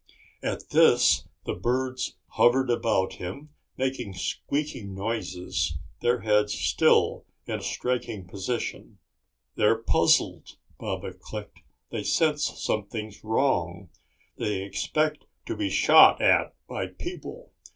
At this, the birds hovered about him making squeaking noises, their heads still in striking position. "They're puzzled," Baba clicked. "They sense something's wrong. They expect to be shot at by people.